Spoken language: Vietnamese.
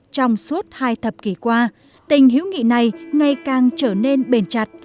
trong suốt hai thập kỷ qua tình hữu nghị này ngày càng trở nên bền chặt